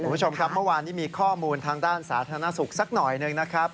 คุณผู้ชมครับเมื่อวานนี้มีข้อมูลทางด้านสาธารณสุขสักหน่อยหนึ่งนะครับ